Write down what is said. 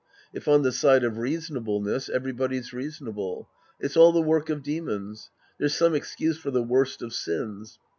If on the side of reasonableness, everybody's reasonable. It's all the work of demons. There's some excuse for the worst of sins.